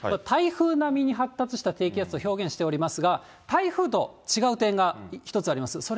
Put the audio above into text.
台風並みに発達した低気圧と表現しておりますが、台風と違う点が１つあります。